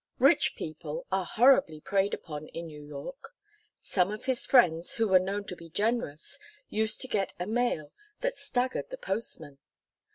Rich people are horribly preyed upon in New York. Some of his friends who were known to be generous used to get a mail that staggered the postman.